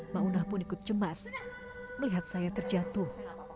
maunah pun ikut cemas melihat saya terjatuh